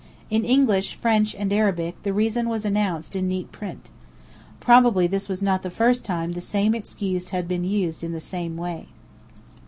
In English, French, and Arabic, the reason was announced in neat print. Probably this was not the first time the same excuse had been used in the same way.